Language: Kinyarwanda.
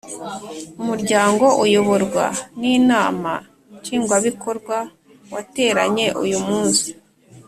Umuryango uyoborwa ninama nshingwabikorwa wateranye uyumunsi